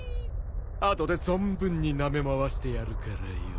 後で存分になめ回してやるからよ。